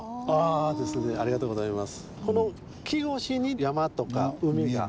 ですねありがとうございます。